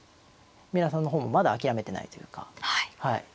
三浦さんの方もまだ諦めてないというか。